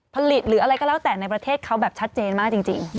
ผลิตหรืออะไรก็แล้วแต่ในประเทศเขาแบบชัดเจนมากจริง